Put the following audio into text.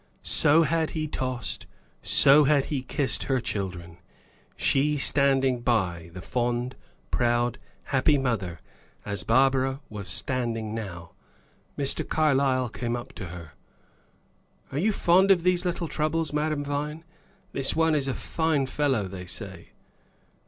So had he tossed, so had he kissed her children, she standing by, the fond, proud, happy mother, as Barbara was standing now. Mr. Carlyle came up to her. "Are you fond of these little troubles, Madame Vine? This one is a fine fellow, they say."